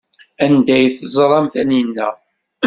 Anda ay teẓram Taninna?